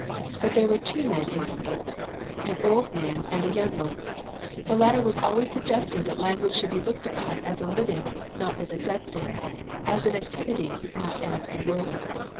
But there were two men in Humboldt, an old man and a young one. The latter was always suggesting that language should be looked upon as a living, not as a dead thing, as an activity, not as a word.